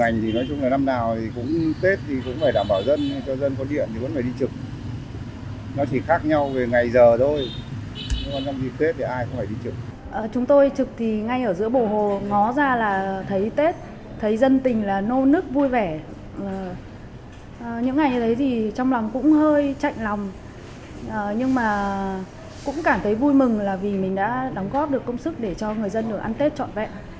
nhưng mà cũng cảm thấy vui mừng là vì mình đã đóng góp được công sức để cho người dân được ăn tết trọn vẹn